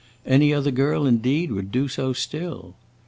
Any other girl indeed would do so still!